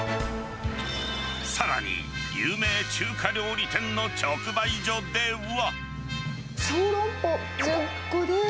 さらに、有名中華料理店の直売所では。